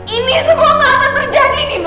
ini semua gak akan terjadi nino